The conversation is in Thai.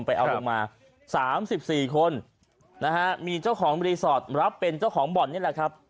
ไปเอาลงมา๓๔คนนะฮะมีเจ้าของรีสอร์ทรับเป็นเจ้าของบ่อนนี่แหละครับ